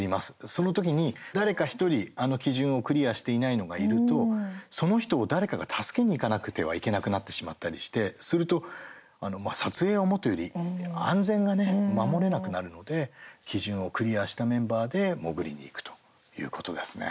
その時に誰か１人、あの基準をクリアしていないのがいるとその人を誰かが助けに行かなくてはいけなくなってしまったりしてすると撮影はもとより安全がね、守れなくなるので基準をクリアしたメンバーで潜りに行くということですね。